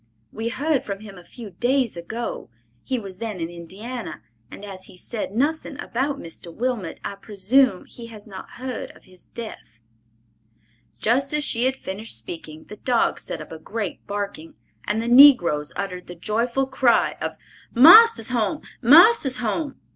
We heard from him a few days ago. He was then in Indiana, and as he said nothing about Mr. Wilmot, I presume he has not heard of his death." Just as she had finished speaking, the dogs set up a great barking, and the negroes uttered the joyful cry of "Marster's come! Marster's come!"